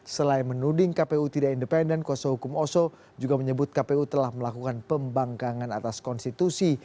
selain menuding kpu tidak independen kuasa hukum oso juga menyebut kpu telah melakukan pembangkangan atas konstitusi